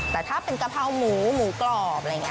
แต่ถ้าเป็นกะเพราหมูหมูกรอบอะไรอย่างนี้